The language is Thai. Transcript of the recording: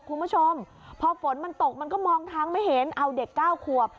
คุณผู้ชมพอฝนมันตกมันก็มองทางไม่เห็นเอาเด็กเก้าขวบ